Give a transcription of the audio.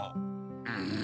うん。